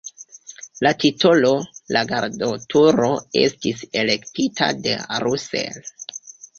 La titolo "La Gardoturo" estis elektita de Russell.